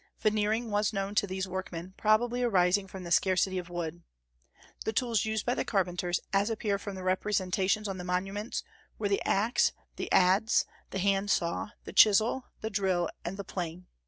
Veneering was known to these workmen, probably arising from the scarcity of wood. The tools used by the carpenters, as appear from the representations on the monuments, were the axe, the adze, the hand saw, the chisel, the drill, and the plane.